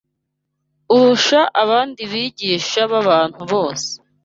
urusha abandi bigisha b’abantu bose